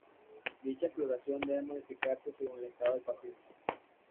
Dicha exploración debe modificarse según el estado del paciente.